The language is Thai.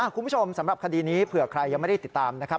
สำหรับคดีนี้เผื่อใครยังไม่ได้ติดตามนะครับ